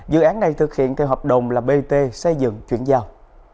dự án này thực hiện theo hợp đồng là bt xây dựng chuyển giao